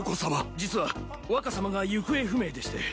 実は若さまが行方不明でして。